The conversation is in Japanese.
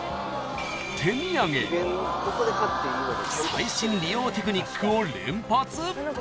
［最新利用テクニックを連発］